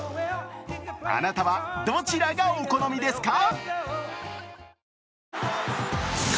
あなたはどちらがお好みですか？